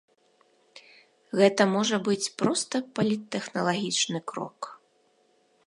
Гэта можа быць проста паліттэхналагічны крок.